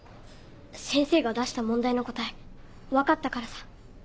先生が出した問題の答え分かったからさ。